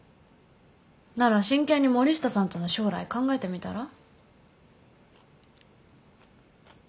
なら真剣に森下さんとの将来考えてみたら？